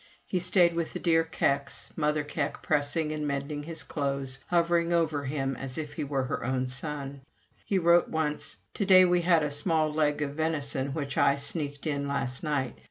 He stayed with the dear Kecks, Mother Keck pressing and mending his clothes, hovering over him as if he were her own son. He wrote once: "To day we had a small leg of venison which I sneaked in last night.